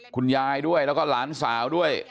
คุณยายด้วยแล้วก็หลานสาวด้วย